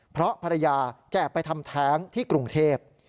เพราะภรรยาแจกไปทำแท้งที่กรุงเทพ